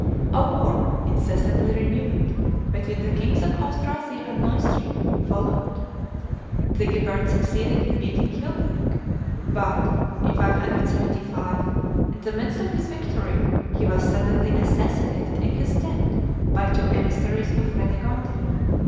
A war, incessantly renewed, between the kings of Austrasia and Neustria followed. Sigebert succeeded in beating Chilperic, but, in 575, in the midst of his victory, he was suddenly assassinated in his tent by two emissaries of Fredegonde.